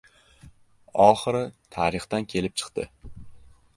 Oxiri, tarixdan kelib chiqdi.